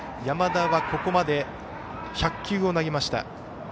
山田、ここまで１００球を投げました。